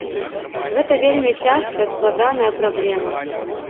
Гэта вельмі цяжкая, складаная праблема.